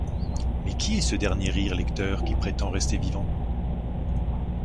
Mais qui est ce dernier rire lecteur qui prétend rester vivant?